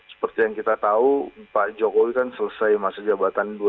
seperti yang kita tahu pak jokowi kan selesai masa jabatan dua ribu sembilan belas